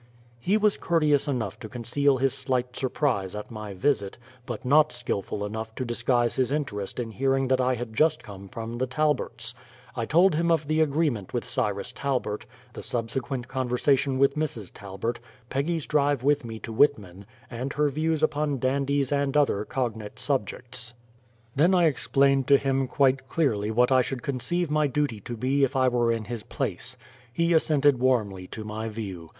He was courteous enough to conceal his slight surprise at my visit, but not skilful enough to disguise his interest in hearing that I had just come from the Talberts. I told him of the agreement with Cyrus Talbert, the subsequent conversation with Mrs. Talbert, Peggy's drive with me to Whitman, and her views upon dandies and other cognate subjects. Then I explained to him quite clearly what I should conceive my duty to be if I were in his place. He assented warmly to my view.